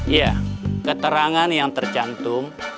iya keterangan yang tercantum